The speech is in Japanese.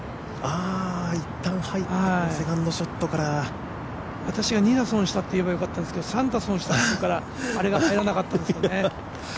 いったん入ったセカンドショットから２打損したって言えばよかったんですけど３打損したって言ったからあれが入らなかったんですね。